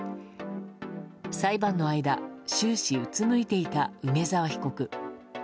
裁判の間終始、うつむいていた梅沢被告。